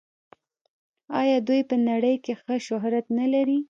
آیا دوی په نړۍ کې ښه شهرت نلري؟